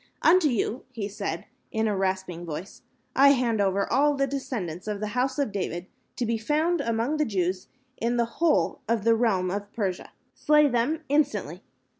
"Unto you," he said, in a rasping voice, "I hand over all the descendants of the House of David to be found among the Jews in the whole of the realm of Persia. Slay them instantly.